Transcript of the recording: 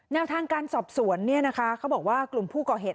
แนวทางการสอบสวนเขาบอกว่ากลุ่มผู้ก่อเหตุ